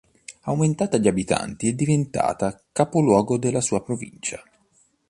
Aumentata di abitanti è diventata capoluogo della sua provincia.